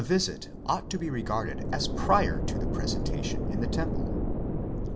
179 visit ought to be regarded as priorto the presentation in the temple.!